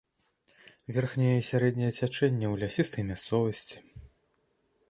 Верхняе і сярэдняе цячэнне ў лясістай мясцовасці.